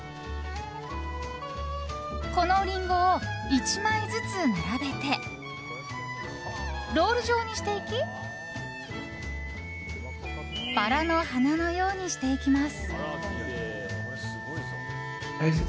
このリンゴを１枚ずつ並べてロール状にしていきバラの花のようにしていきます。